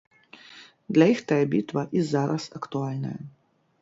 Для іх тая бітва і зараз актуальная.